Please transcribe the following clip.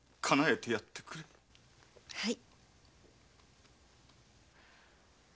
はい。